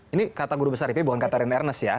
ini kata guru besar ip bukan kata rin ernest ya